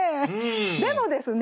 でもですね